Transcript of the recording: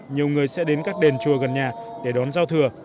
nhiều người sẽ đến các đền chùa gần nhà để đón giao thừa